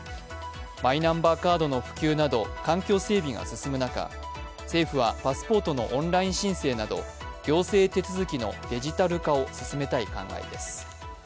マイナンバーカードの普及など環境整備が進む中、政府はパスポートのオンライン申請など行政手続きのデジタル化を進めたい考えです。